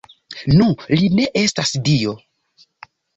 Nu, li ne estas dio